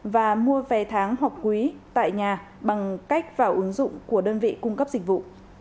và mua vé tháng hoặc quý tại nhà bằng cách vào ứng dụng của đơn vị cung cấp dịch vụ